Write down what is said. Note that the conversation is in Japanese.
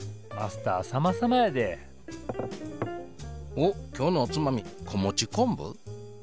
おっ今日のおつまみ子持ち昆布？